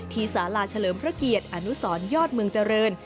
สาราเฉลิมพระเกียรติอนุสรยอดเมืองเจริญ